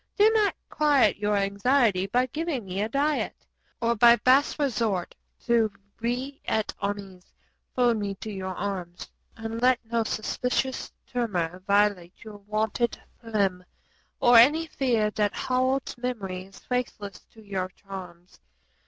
Do not quiet your anxiety by giving me a diet, Or by base resort to vi et armis fold me to your arms, And let no suspicious tremor violate your wonted phlegm or Any fear that Harold's memory is faithless to your charms.